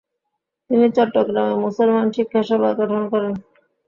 তিনি চট্টগ্রামে মুসলমান শিক্ষা সভা" গঠন করেন।